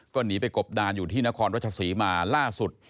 ก็หนีไปกบดานอยู่ที่นครรัชศรีมาล่าสุด